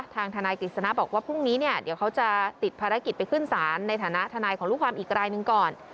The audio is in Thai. ทางทนายกฤษณะบอกว่าพรุ่งนี้เนี่ยเดี๋ยวเขาจะติดภารกิจไปขึ้นศาลในฐานะทนายของลูกความอีกรายหนึ่งก่อน